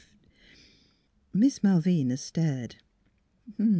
" Miss Malvina stared.